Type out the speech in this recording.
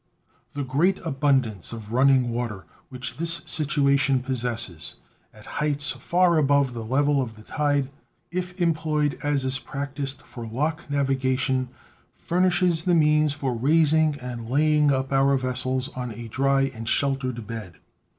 The great abundance of running water which this situation possesses, at heights far above the level of the tide, if employed as is practiced for lock navigation, furnishes the means for raising and laying up our vessels on a dry and sheltered bed.